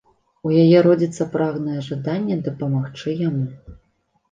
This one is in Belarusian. У яе родзіцца прагнае жаданне дапамагчы яму.